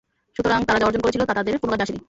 সুতরাং তারা যা অর্জন করেছিল তা তাদের কোন কাজে আসেনি।